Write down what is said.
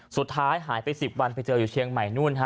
สุดท้ายหายไป๑๐วันไปเจออยู่เชียงใหม่นู่นฮะ